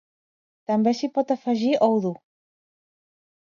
També s'hi pot afegir ou dur.